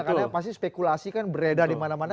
karena pasti spekulasi kan beredar dimana mana